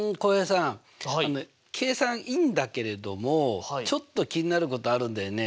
さん計算いいんだけれどもちょっと気になることあるんだよね。